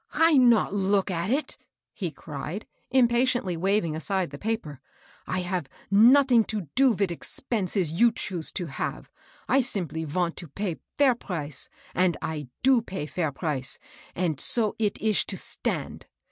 " I not look at it," he cried, impatiently wav ing aside the paper. '^ I have nothing to do vid expenses you chose to have. I simply vant to pay fair price; and I do pay fair price. And so it ish to stand.